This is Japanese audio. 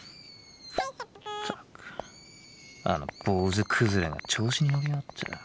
ったくあの坊主崩れが調子に乗りやがって。